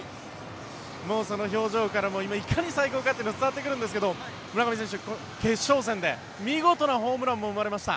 もうその表情からもいかに最高かって伝わってくるんですけど村上選手、決勝戦で見事なホームランも生まれました。